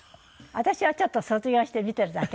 私はちょっと卒業して見てるだけ。